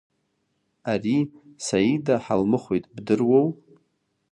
Ари Саида ҳалмыхәеит бдыруоу?